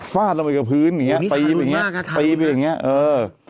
ฟาดลงไปกับพื้นอย่างเงี้ยไปอีบอย่างเงี้ยไปอีบอย่างเงี้ยเออ